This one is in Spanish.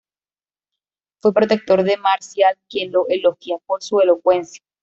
Fue protector de Marcial quien lo elogia por su elocuencia.